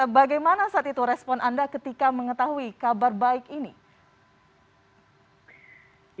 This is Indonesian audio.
bagaimana saat itu respon anda ketika mengetahui kabar baik ini